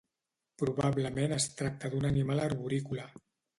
Probablement es tracta d'un animal arborícola.